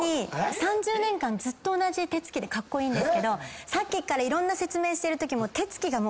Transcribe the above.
３０年間ずっと同じ手つきでカッコイイんですけどさっきからいろんな説明してるときも手つきがもう。